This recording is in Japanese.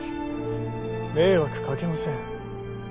迷惑かけません。